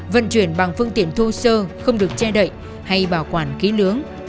vận chuyển bằng phương tiện thô sơ không được che đậy hay bảo quản ký lưỡng